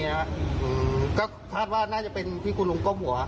ไม่มีนะครับก็ทาสว่าน่าจะเป็นที่คุณลุงก้มหัว